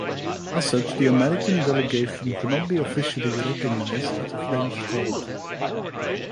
As such, the American delegation could not be officially recognized at the French Court.